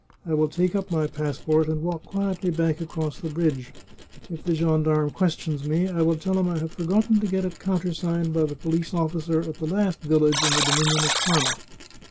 " I will take up my passport, and walk quietly back across the bridge. If the gendarme questions me I will tell him I have forgotten to get it countersigned by the police officer at the last village in the dominion of Parma."